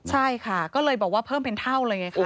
ใช่ค่ะก็เลยบอกว่าเพิ่มเป็นเท่าเลยไงคะ